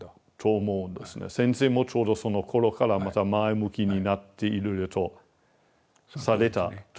先生もちょうどそのころからまた前向きになっていろいろとされたと。